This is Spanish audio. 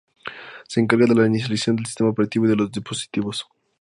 Se encarga de la inicialización del sistema operativo y de los dispositivos.